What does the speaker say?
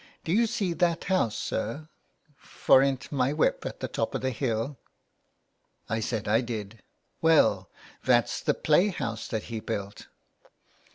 Do you see that house, sir, fornint my whip at the top of the hill ?" I said I did. Well, that's the play house that he built."